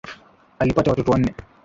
Alipata watoto wanne